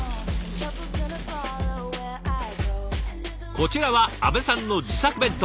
こちらは安部さんの自作弁当。